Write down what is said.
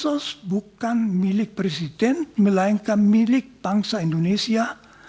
sos bukan milik presiden melainkan milik bangsa indonesia